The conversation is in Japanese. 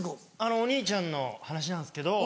お兄ちゃんの話なんですけど。